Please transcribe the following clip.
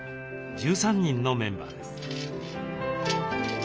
１３人のメンバーです。